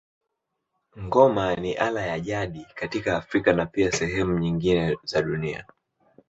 Ngoma ni ala ya jadi katika Afrika na pia sehemu nyingine za dunia.